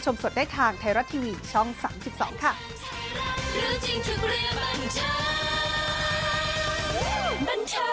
สวัสดีครับ